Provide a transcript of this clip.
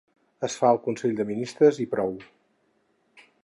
Es fa al consell de ministres i prou.